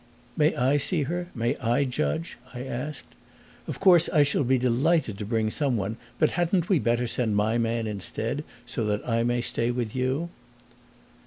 "May I see her, may I judge?" I asked. "Of course I shall be delighted to bring someone; but hadn't we better send my man instead, so that I may stay with you?"